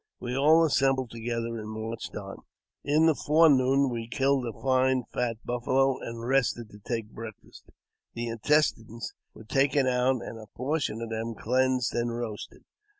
We all assembled together and marched on. In the fore noon we killed a fine fat buffalo, and rested to take breakfast. The intestines were taken out, and a portion of them cleansed and roasted.